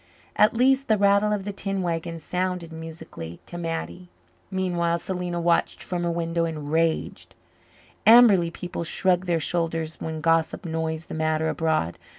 At least, the rattle of the tin wagon sounded musically to Mattie. Meanwhile, Selena watched from her window and raged. Amberley people shrugged their shoulders when gossip noised the matter abroad.